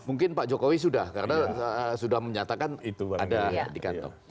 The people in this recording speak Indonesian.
mungkin pak jokowi sudah karena sudah menyatakan itu ada di kantong